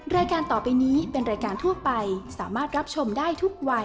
รายการต่อไปนี้เป็นรายการทั่วไปสามารถรับชมได้ทุกวัย